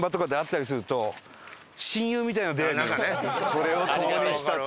これを共にしたって。